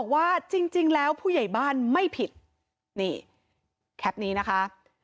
ว่าจริงแล้วผู้ใหญ่บ้านไม่ผิดนี่แคปนี้นะคะ